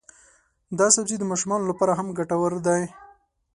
دا سبزی د ماشومانو لپاره هم ګټور دی.